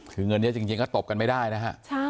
คือเงินเยอะจริงก็ตบกันไม่ได้นะฮะ